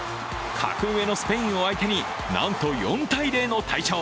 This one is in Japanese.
格上のスペインを相手になんと４−０の大勝。